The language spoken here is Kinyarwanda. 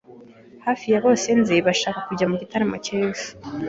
Hafi ya bose nzi bashaka kujya mu gitaramo cy'ejo.